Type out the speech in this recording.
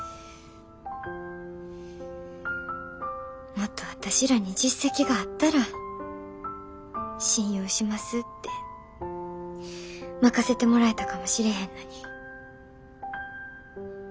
もっと私らに実績があったら信用しますって任せてもらえたかもしれへんのに。